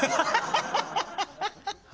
ハハハハハ。